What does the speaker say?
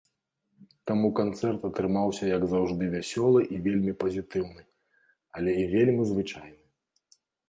Таму канцэрт атрымаўся як заўжды вясёлы і вельмі пазітыўны, але і вельмі звычайны.